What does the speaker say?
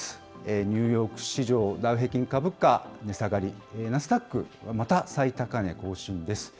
ニューヨーク市場、ダウ平均株価、値下がり、ナスダック、また最高値更新です。